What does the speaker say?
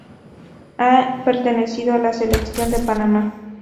Ha pertenecido a la selección de Panamá.